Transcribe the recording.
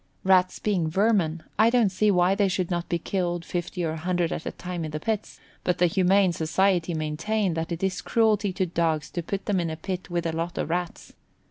Rats being vermin, I don't see why they should not be killed 50 or 100 at a time in the pit, but the Humane Society maintain that it is cruelty to dogs to put them in a pit with a lot of Rats.